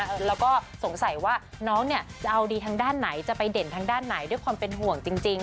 แล้วก็สงสัยว่าน้องเนี่ยจะเอาดีทางด้านไหนจะไปเด่นทางด้านไหนด้วยความเป็นห่วงจริง